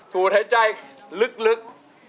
ถูกหายใจลึก